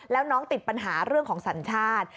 แล้วน้องติดปัญหาเรื่องของสัญชาติ